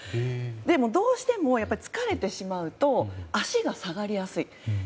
でも、どうしても疲れてしまうと足が下がりやすい。